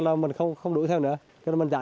rồi mình không đuổi theo nữa